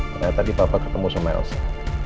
ternyata tadi papa ketemu sama elsa